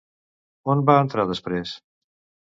On va entrar després?